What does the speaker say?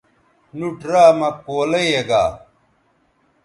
نُوٹ را مہ کولئ یے گا